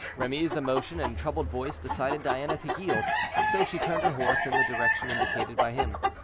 Remy's emotion and troubled voice decided Diana to yield, so she turned her horse in the direction indicated by him.